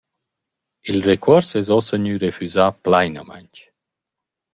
Il recuors es uossa gnü refüsà plainamaing.